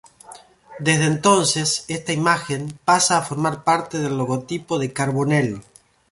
Desde entonces, esta imagen pasa a formar parte del logotipo de Carbonell.